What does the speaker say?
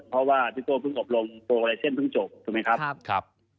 เพราะว่าพี่โก้เพิ่งอบลงโปรไลเซ็นต์เพิ่งจบถูกไหมครับ